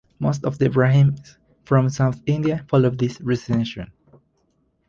Most of the brahmins from south India follow this recension.